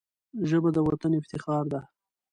ژبه د وطن افتخار ده